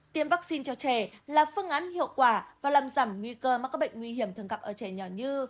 tiêm vaccine cho trẻ là phương án hiệu quả và làm giảm nguy cơ mắc các bệnh nguy hiểm thường gặp ở trẻ nhỏ như